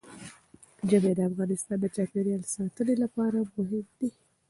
ژمی د افغانستان د چاپیریال ساتنې لپاره مهم دي.